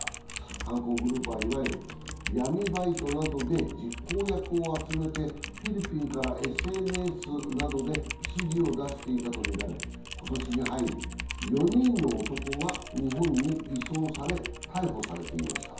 犯行グループはいわゆる闇バイトなどで、実行役を集めてフィリピンからＳＮＳなどで指示を出していたとみられ、今年に入り４人の男が日本に移送され逮捕されていました。